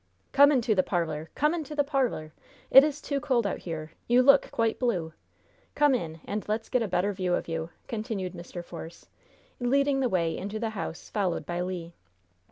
"Come into the parlor! Come into the parlor! It is too cold out here! You look quite blue! Come in, and let's get a better view of you!" continued Mr. Force, leading the way into the house, followed by Le.